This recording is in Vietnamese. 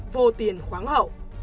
vô tiền khoáng hậu